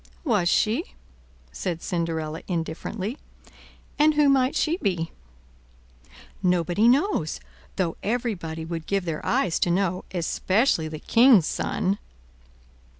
"Was she?" said Cinderella indifferently; "and who might she be?" "Nobody knows, though everybody would give their eyes to know, especially the king's Son."